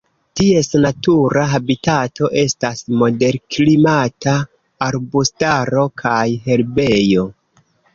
Ties natura habitato estas moderklimata arbustaro kaj herbejo.